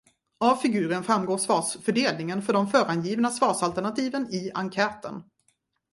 Av figuren framgår svarsfördelningen för de förangivna svarsalternativen i enkäten.